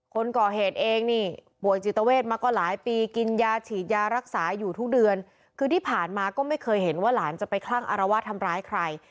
คนก่อเหตุเองนี่ป่วยจิตเวทมาก็หลายปีกินยาฉีดยารักษาอยู่ทุกเดือนคือที่ผ่านมาก็ไม่เคยเห็นว่าหลานจะไปคลั่งอารวาสทำร้ายใคร